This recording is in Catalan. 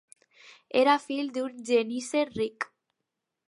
Era fill d'un genísser ric.